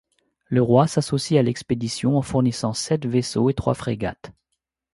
Le Roi s'associe à l'expédition en fournissant sept vaisseaux et trois frégates.